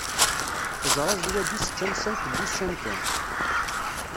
Teẓra zwaǧ-is d tamsalt n wussan kan.